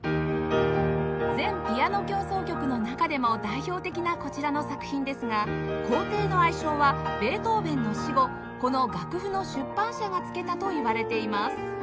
全ピアノ協奏曲の中でも代表的なこちらの作品ですが『皇帝』の愛称はベートーヴェンの死後この楽譜の出版社がつけたといわれています